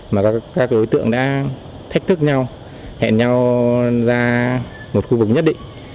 mà các đối tượng đã thách thức nhau hẹn nhau ra một khu vực nhất định